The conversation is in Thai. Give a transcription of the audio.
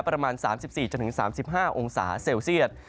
ประมาณ๓๔๓๕องศาเซลเซียต